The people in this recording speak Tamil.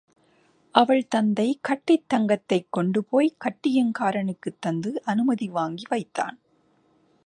அவள் தந்தை கட்டித் தங்கத்தைக் கொண்டு போய்க் கட்டியங்காரனுக்குத் தந்து அனுமதி வாங்கி வைத்தான்.